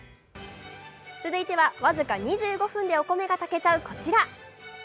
続いては、僅か２５分でお米が炊けちゃうこちら。